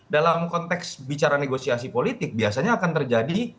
dalam konteks bicara negosiasi politik biasanya akan terjadi